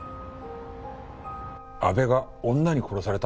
阿部が女に殺された？